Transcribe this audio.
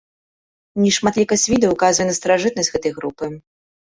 Нешматлікасць відаў указвае на старажытнасць гэтай групы.